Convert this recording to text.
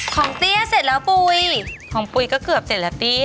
เตี้ยเสร็จแล้วปุ๋ยของปุ๋ยก็เกือบเสร็จแล้วเตี้ย